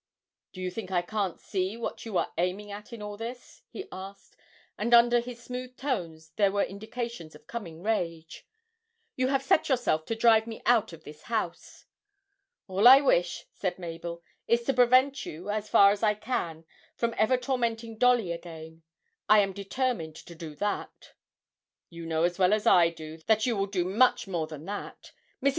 'Do you think I can't see what you are aiming at in all this?' he asked; and under his smooth tones there were indications of coming rage. 'You have set yourself to drive me out of this house!' 'All I wish,' said Mabel, 'is to prevent you as far as I can from ever tormenting Dolly again I am determined to do that!' 'You know as well as I do that you will do much more than that. Mrs.